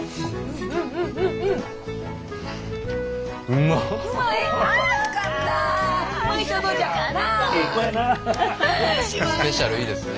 スペシャルいいですね。